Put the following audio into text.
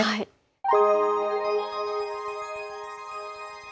はい。